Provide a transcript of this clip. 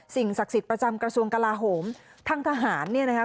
ศักดิ์สิทธิ์ประจำกระทรวงกลาโหมทางทหารเนี่ยนะคะ